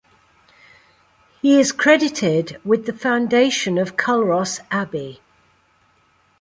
He is credited with the foundation of Culross Abbey.